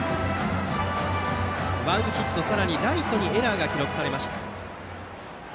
ワンヒット、さらにライトにエラーが記録されました。